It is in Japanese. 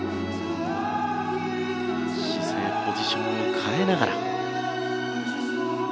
姿勢、ポジションを変えながら。